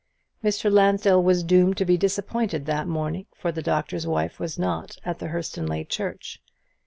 Mr. Lansdell was doomed to be disappointed that morning, for the Doctor's Wife was not at Hurstonleigh church.